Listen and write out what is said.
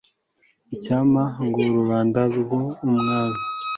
icyampa ngo rubanda rw'umwami